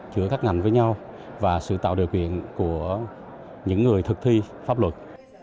chữa các ngành với nhau và sự tạo điều kiện của những người thực thi pháp luật